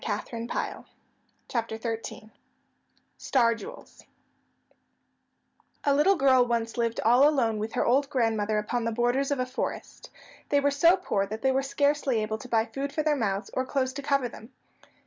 [Illustration: Star Jewels] STAR JEWELS A little girl once lived all alone with her old grandmother upon the borders of a forest. They were so poor that they were scarcely able to buy food for their mouths, or clothes to cover them.